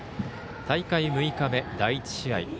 大会６日目、第１試合。